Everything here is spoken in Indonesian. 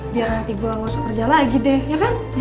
biar nanti gue ngusuk kerja lagi deh ya kan